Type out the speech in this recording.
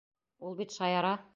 Ул бит шаяра!